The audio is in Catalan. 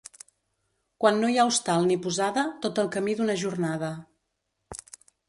Quan no hi ha hostal ni posada, tot el camí d'una jornada.